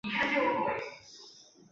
勒布莱蒂耶尔里。